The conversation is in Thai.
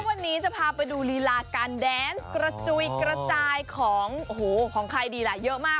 วันนี้จะพาไปดูลีลาการแดนส์กระจุยกระจายของโอ้โหของใครดีล่ะเยอะมาก